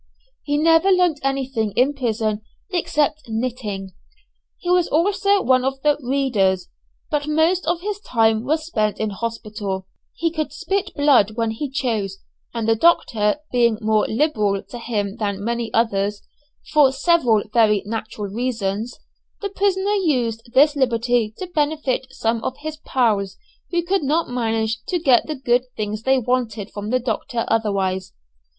He never learnt anything in prison except knitting. He was also one of the "readers," but most of his time was spent in hospital. He could spit blood when he chose, and the doctor being more liberal to him than many others, for several very natural reasons, the prisoner used this liberality to benefit some of his "pals" who could not manage to get the good things they wanted from the doctor otherwise.